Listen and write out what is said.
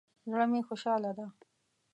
زړه می خوشحاله ده